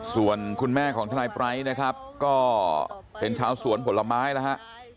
ส่วนคุณแม่ของทนายปร้ายนะครับก็เป็นชาวสวนผลไม้แล้วฮะ